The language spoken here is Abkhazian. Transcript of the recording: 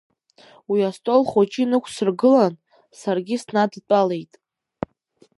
Уи астол хәыҷы инықәсыргылан, саргьы снадтәалеит.